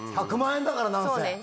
１００万円だから何せ。